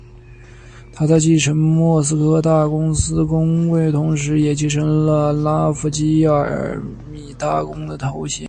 他在继承莫斯科大公公位同时也继承了弗拉基米尔大公的头衔。